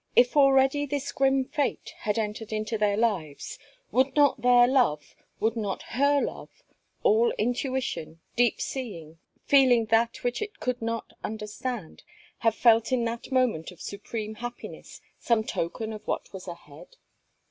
If already this grim fate had entered into their lives, would not their love, would not her love, all intuition, deep seeing, feeling that which it could not understand, have felt in that moment of supreme happiness, some token of what was ahead?